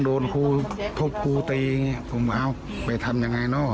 โดนครูทุบครูตีผมเอาไปทำอย่างไรมา